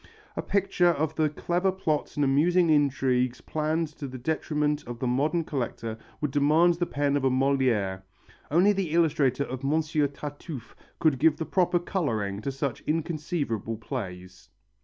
A picture of the clever plots and amusing intrigues planned to the detriment of the modern collector would demand the pen of a Molière. Only the illustrator of Monsieur Tartuffe could give the proper colouring to such inconceivable plays.